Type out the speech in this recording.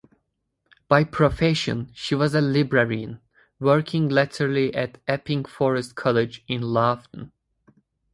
By profession, she was a librarian, working latterly at Epping Forest College in Loughton.